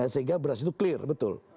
sehingga beras itu clear betul